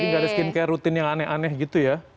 jadi tidak ada skincare rutin yang aneh aneh gitu ya